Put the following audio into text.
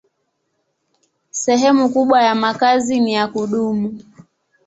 Sehemu kubwa ya makazi ni ya kudumu.